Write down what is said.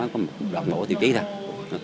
không được không được